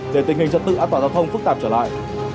để tình hình trật tự an toàn giao thông phức tạp trở lại